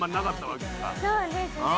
そうですね